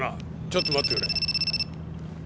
ちょっと待ってくれ。